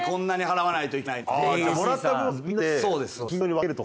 こんなに払わないといけないのかとか。